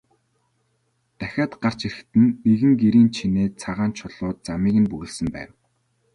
Дахиад гарч ирэхэд нь нэгэн гэрийн чинээ цагаан чулуу замыг нь бөглөсөн байв.